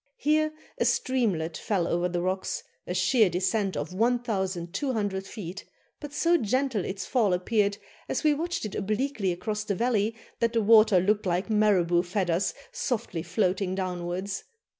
Here a streamlet fell over the rocks, a sheer descent of 1,200 feet, but so gentle its fall appeared, as we watched it obliquely across the valley, that the water looked like marabout feathers softly floating downwards.